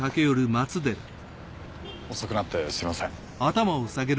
遅くなってすみません。